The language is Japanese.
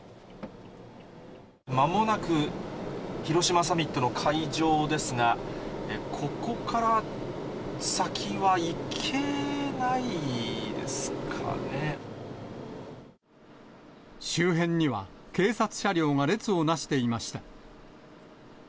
まもなく広島サミットの会場ですが、周辺には、警察車両が列をなしていました。